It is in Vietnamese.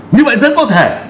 như vậy rất có thể